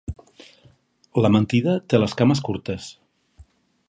La mentida té les cames curtes